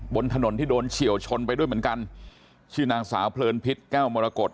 บนถนนที่โดนเฉียวชนไปด้วยเหมือนกันชื่อนางสาวเพลินพิษแก้วมรกฏ